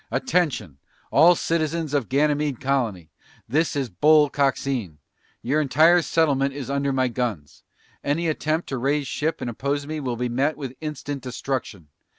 "Attention! All citizens of Ganymede colony! This is Bull Coxine. Your entire settlement is under my guns. Any attempt to raise ship and oppose me will be met with instant destruction!